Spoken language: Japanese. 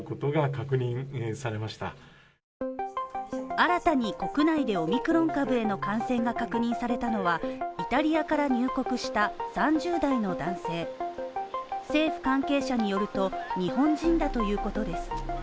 新たに国内でオミクロン株への感染が確認されたのはイタリアから入国した３０代の男性政府関係者によると、日本人だということです。